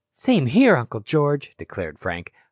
"Same here, Uncle George," declared Frank.